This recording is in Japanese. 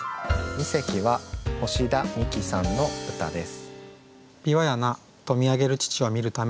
一席は岡田捺那さんの歌です。